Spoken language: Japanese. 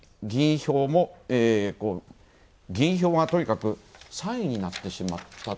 議員票はとにかく３位になってしまったと。